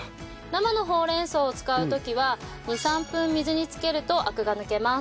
生のほうれん草を使う時は２３分水につけるとアクが抜けます。